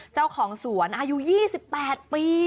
เจ้าของสวนอายุ๒๘ปี